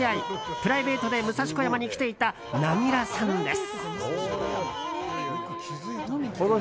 プライベートで武蔵小山に来ていたなぎらさんです。